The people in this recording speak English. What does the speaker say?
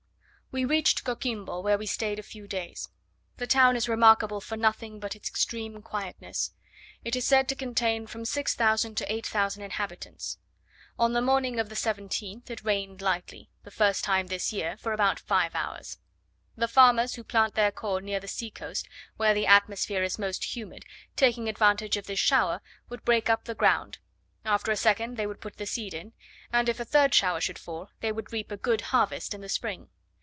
We reached Coquimbo, where we stayed a few days. The town is remarkable for nothing but its extreme quietness. It is said to contain from 6000 to 8000 inhabitants. On the morning of the 17th it rained lightly, the first time this year, for about five hours. The farmers, who plant corn near the sea coast where the atmosphere is most humid, taking advantage of this shower, would break up the ground; after a second they would put the seed in; and if a third shower should fall, they would reap a good harvest in the spring.